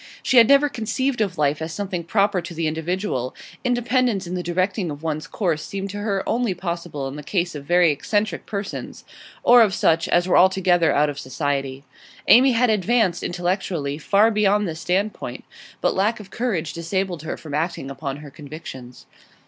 She had never conceived of life as something proper to the individual; independence in the directing of one's course seemed to her only possible in the case of very eccentric persons, or of such as were altogether out of society. Amy had advanced, intellectually, far beyond this standpoint, but lack of courage disabled her from acting upon her convictions.